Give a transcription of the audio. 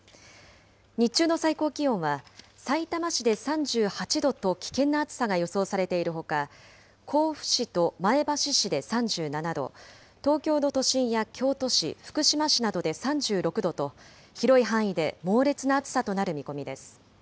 日中の最高気温は、さいたま市で３８度と危険な暑さが予想されているほか、甲府市と前橋市で３７度、東京の都心や京都市、福島市などで３６度と、広い範囲で猛烈な暑さとなる見込みです。